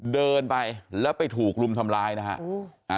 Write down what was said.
เดินไปแล้วไปถูกรุมทำร้ายนะฮะ